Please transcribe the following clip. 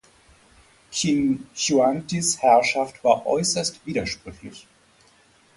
Qin Shihuangdis Herrschaft war äußerst widersprüchlich.